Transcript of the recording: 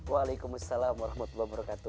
waalaikumsalam warahmatullahi wabarakatuh